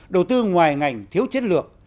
đầu tư ngoài ngành thiếu chiến lược